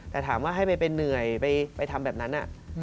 แต่ถามว่าให้ไปเหนื่อยไปทำแบบนั้น